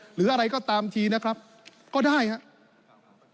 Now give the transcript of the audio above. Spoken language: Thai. หรืออะไรก็ตามทีนะครับก็ได้ครับ